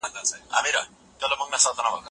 موږ بايد د ټولنيز وضعيت د ښه والي لپاره کار وکړو.